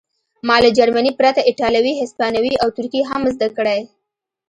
ما له جرمني پرته ایټالوي هسپانوي او ترکي هم زده کړې